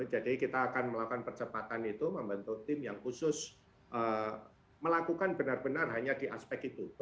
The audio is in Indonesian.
jadi kita akan melakukan percepatan itu membantu tim yang khusus melakukan benar benar hanya di aspek itu